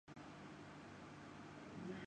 tour of Spain cycle race Tom Dumoulin نے جیت لی